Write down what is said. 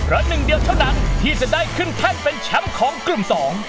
และหนึ่งเดียวเท่านั้นที่จะได้ขึ้นแท่นเป็นแชมป์ของกลุ่มสอง